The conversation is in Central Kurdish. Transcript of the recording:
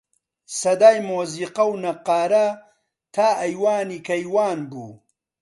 سەدای مۆزیقە و نەققارە تا ئەیوانی کەیوان بوو